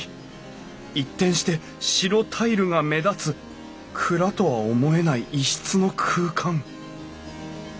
一転して白タイルが目立つ蔵とは思えない異質の空間